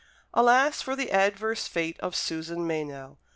Alas for the adverse fate of Susan Meynell!